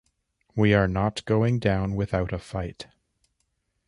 We are not going down without a fight.